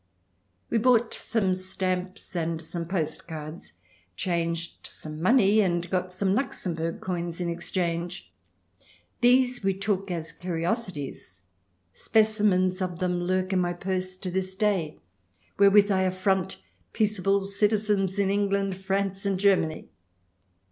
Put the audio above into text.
... We bought some stamps and some postcards, changed some money and got some Luxembourg coins in exchange. These we took as curiosities. (Specimens of them lurk in my purse to this day, wherewith I affront peaceable citizens in England, France, and Germany.)